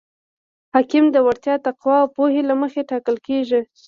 حاکم د وړتیا، تقوا او پوهې له مخې ټاکل کیږي.